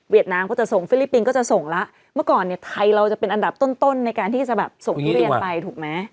นามก็จะส่งฟิลิปปินส์ก็จะส่งแล้วเมื่อก่อนเนี่ยไทยเราจะเป็นอันดับต้นต้นในการที่จะแบบส่งทุเรียนไปถูกไหม